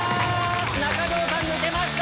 中条さん抜けました！